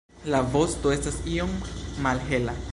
La vosto estas iom malhela.